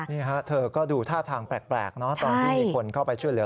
นี่ฮะเธอก็ดูท่าทางแปลกเนอะตอนที่มีคนเข้าไปช่วยเหลือ